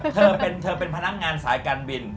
เดี๋ยวนะเธอเป็นพนักงานสายการบิน